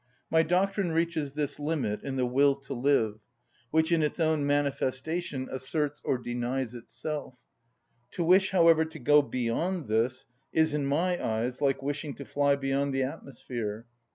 My doctrine reaches this limit in the will to live, which in its own manifestation asserts or denies itself. To wish, however, to go beyond this is, in my eyes, like wishing to fly beyond the atmosphere.